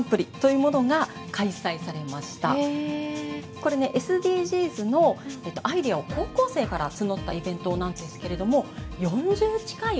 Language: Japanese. これねＳＤＧｓのアイデアを高校生から募ったイベントなんですけれども４０近いアイデアが集まったんですよ。